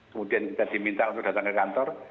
kemudian kita diminta untuk datang ke kantor